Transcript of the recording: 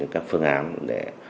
các phương án để